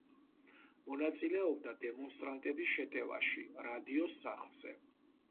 მონაწილეობდა დემონსტრანტების შეტევაში რადიოს სახლზე.